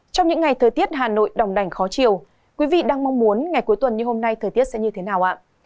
trong những ngày thời tiết hà nội đồng đành khó chiều quý vị đang mong muốn ngày cuối tuần như hôm nay thời tiết sẽ như thế nào ạ